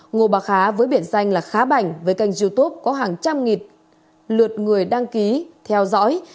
ngô bà khá với biển xanh là khá bảnh với kênh youtube có hàng trăm nghìn lượt người đăng ký theo dõi